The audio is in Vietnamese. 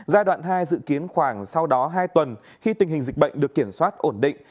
giai đoạn hai dự kiến khoảng sau đó hai tuần khi tình hình dịch bệnh được kiểm soát ổn định